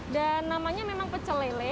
dan namanya memang pecelele